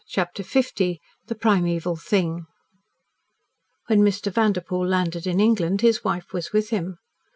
CHAPTER L THE PRIMEVAL THING When Mr. Vanderpoel landed in England his wife was with him.